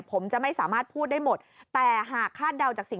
ผมจะไม่สามารถพูดได้หมดแต่หากคาดเดาจากสิ่ง